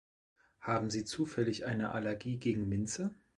Haben Sie zufällig eine Allergie gegen Minze?